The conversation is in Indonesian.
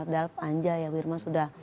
dalam anja ya bu irma sudah selesai